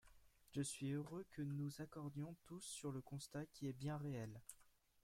Je suis heureux que nous nous accordions tous sur le constat, qui est bien réel.